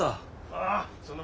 ああその